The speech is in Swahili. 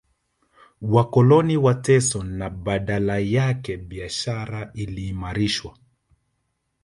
Wakoloni wa Tsavo na badala yake biashara iliimarishwa